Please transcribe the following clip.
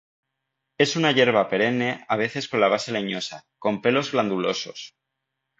Es una hierba perenne a veces con la base leñosa, con pelos glandulosos.